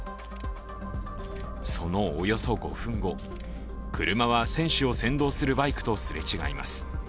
そのおよそ５分後、車は選手を先導するバイクとすれ違います。